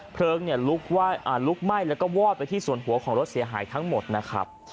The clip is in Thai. เพลิงลุกไหม้แล้วก็วอดไปที่ส่วนหัวของรถเสียหายทั้งหมดนะครับ